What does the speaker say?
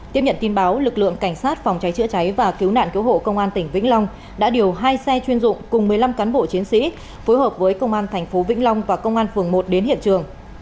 tiếp nhận tin báo lực lượng cảnh sát phòng cháy chữa cháy và cứu nạn cứu hộ công an tỉnh vĩnh long đã điều hai xe chuyên dụng cùng một mươi năm cán bộ chiến sĩ phối hợp với công an tp vĩnh long và công an phường một đến hiện trường